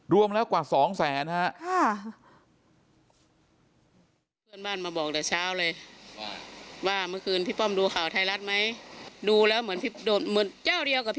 รวมแล้วกว่า๒แสนฮะ